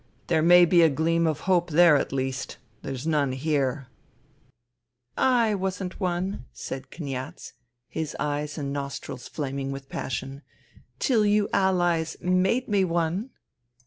There may be a gleam of hope there at least. There's none here." "/ wasn't one," said Kniaz, his eyes and nostrils flaming with passion, " till you Allies made me one